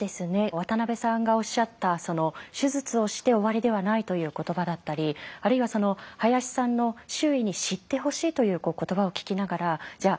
渡辺さんがおっしゃった「手術をして終わりではない」という言葉だったりあるいは林さんの「周囲に知ってほしい」という言葉を聞きながらじゃあ